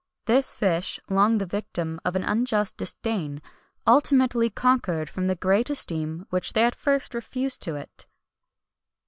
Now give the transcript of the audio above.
[XXI 192] This fish, long the victim of an unjust disdain, ultimately conquered from the great that esteem which they at first refused to it.